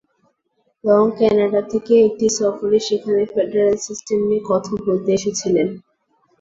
Long Canada থেকে একটি সফরে সেখানে ফেডারেল সিস্টেম নিয়ে কথা বলতে এসেছিলেন।